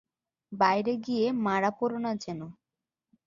বাইরে গিয়ে মারা পড়ো না যেন।